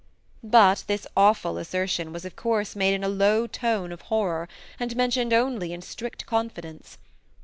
But this awful assertion was of course made in a low tone of horror, and mentioned only in strict confidence.